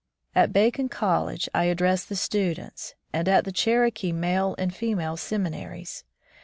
At Bacone College I addressed the students, and at the Cherokee male and female seminaries.